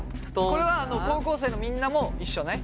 これは高校生のみんなも一緒ね。